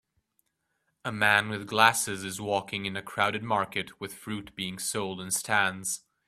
A man with glasses is walking in a crowded market with fruit being sold in stands.